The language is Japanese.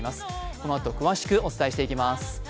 このあと詳しくお伝えしてまいります。